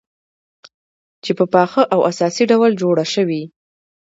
چې په پاخه او اساسي ډول جوړه شوې،